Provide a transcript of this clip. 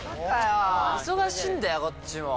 忙しいんだよこっちも。